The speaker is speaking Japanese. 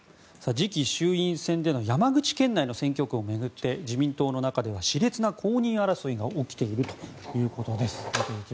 次期衆院選での山口県内の選挙区を巡って自民党の中では熾烈な後任争いが起きているということです。